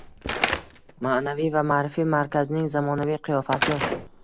Ma’naviyat va ma’rifat markazining zamonaviy qiyofasi